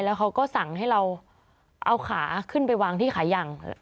แล้วเขาก็สั่งให้เราเอาขาขึ้นไปวางที่ขายัง